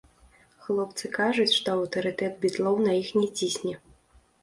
Хлопцы кажуць, што аўтарытэт бітлоў на іх не цісне.